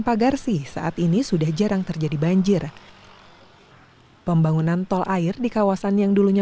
pagarsi saat ini sudah jarang terjadi banjir pembangunan tol air di kawasan yang dulunya